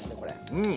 うん！